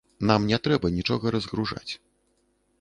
Нам не трэба нічога разгружаць.